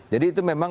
jadi itu memang